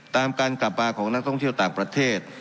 การกลับมาของนักท่องเที่ยวต่างประเทศ